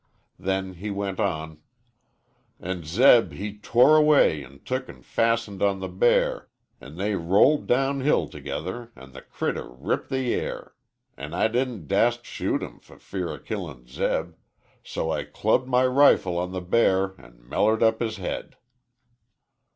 Then he went on: "An' Zeb he tore away an' took an' fastened on the bear, An' they rolled down hill together, an' the critter ripped the air, An' I didn't dast t' shoot him for fear o' killin' Zeb, So I clubbed my rifle on the bear an' mellered up his head."